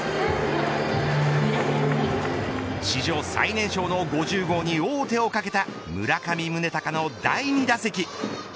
史上最年少の５０号に王手をかけた村上宗隆の第２打席。